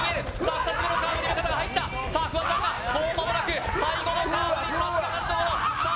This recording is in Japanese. ２つ目のカーブに目片が入ったさあフワちゃんだもうまもなく最後のカーブに差し掛かるところさあ